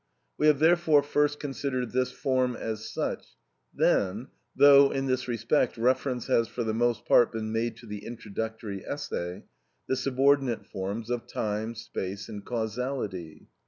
We have therefore first considered this form as such; then (though in this respect reference has for the most part been made to the introductory essay) the subordinate forms of time, space and causality.